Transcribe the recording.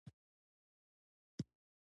په کورنۍ جګړه کې شپېته زره انسانان ووژل شول.